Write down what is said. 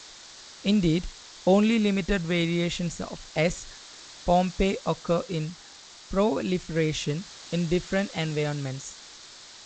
Indeed, only limited variations of S.pompe occur in proliferation in different environments.